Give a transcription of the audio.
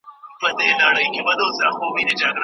نه رقیب نه یې آزار وي وېره نه وي له اسمانه